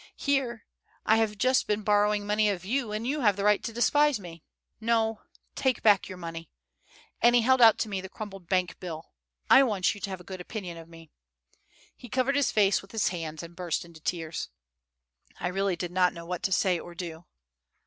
Here I have just been borrowing money of you, and you have the right to despise me. No, take back your money." And he held out to me the crumpled bank bill. "I want you to have a good opinion of me." He covered his face with his hands, and burst into tears. I really did not know what to say or do.